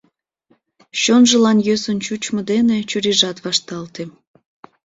Чонжылан йӧсын чучмо дене чурийжат вашталте.